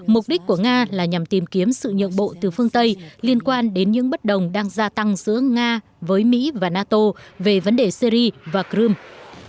mục đích của nga là nhằm tìm kiếm sự nhượng bộ từ phương tây liên quan đến những bất đồng đang gia tăng giữa nga với mỹ và nato về vấn đề syri và crimea